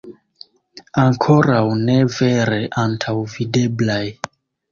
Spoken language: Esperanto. Ankoraŭ ne vere antaŭvideblaj...